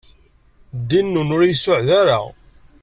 Ddin-nwen ur iyi-suɛed ara.